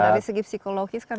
dari segi psikologis kan